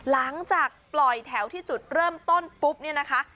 หลังจากปล่อยแถวที่จุดเริ่มต้นปุ๊บเนี่ยนะคะ